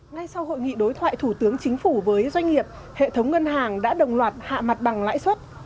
ngay sau hội nghị đối thoại thủ tướng chính phủ với doanh nghiệp hệ thống ngân hàng đã đồng loạt hạ mặt bằng lãi suất